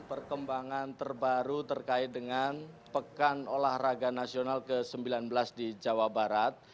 perkembangan terbaru terkait dengan pekan olahraga nasional ke sembilan belas di jawa barat